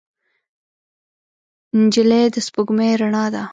نجلۍ د سپوږمۍ رڼا ده.